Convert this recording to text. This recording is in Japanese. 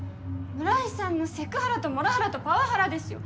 村井さんのセクハラとモラハラとパワハラですよ